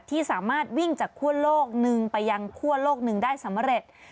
ที่สามารถวิ่งจากคั่วโลกหนึ่งไปยังคั่วโลกหนึ่งได้สำเร็จ